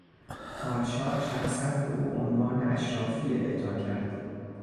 پادشاه شخصا به او عنوان اشرافی اعطا کرد.